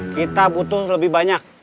kita butuh lebih banyak